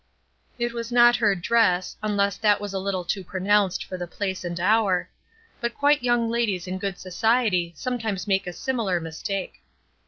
It was not her dress, unless that was a little too pronounced for the place and hour; but quite young ladies in good society sometimes make a similar mistake.